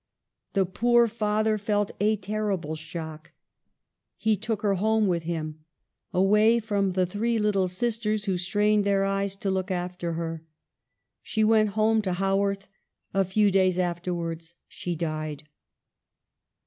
The poor father felt a terrible shock. He took her home 1 Mrs. Harben to Mrs. Gaskell. COWAN'S BRIDGE. 49 with him, away from the three little sisters who strained their eyes to look after her. She went home to Havvorth. A few days afterwards she died.